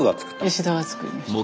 吉田が作りました。